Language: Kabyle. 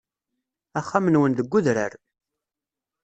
Axxam-nwen deg udrar.